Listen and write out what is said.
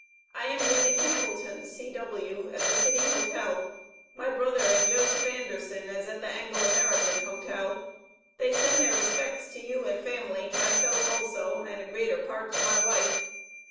I am yet in hamilton, C.W., at the city hotel, my brother and Joseph anderson is at the angle american hotel, they send there respects to you and family my self also, and a greater part to my wife.